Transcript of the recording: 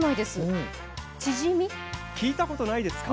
聞いたことないですか？